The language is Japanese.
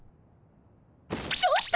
ちょっと！